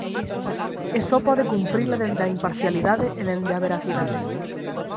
E só pode cumprila dende a imparcialidade e dende a veracidade.